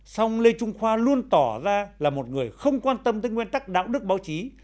song lê trung khoa luôn tỏ ra là một người không quan tâm tới nguyên tắc đạo đức báo chí